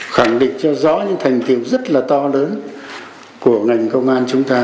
khẳng định cho rõ những thành tiệu rất là to lớn của ngành công an chúng ta